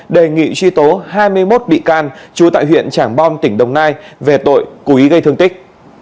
đề nghị truy tố hai mươi một bị can trú tại huyện trảng bom tỉnh đồng nai về tội cố ý gây thương tích